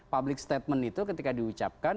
public statement itu ketika diucapkan